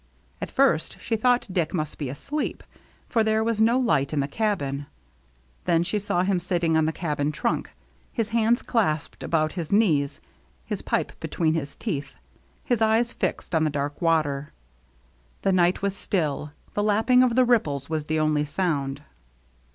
At first she thought Dick must be asleep, for there was no light in the cabin ; then she saw him sitting on the cabin trunk, his hands clasped about his knees, his pipe between his teeth, his eyes fixed on the dark water. The night was still, the lapping of the ripples was the only sound.